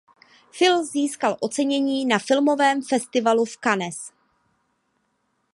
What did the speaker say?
Film získal ocenění na Filmovém festivalu v Cannes.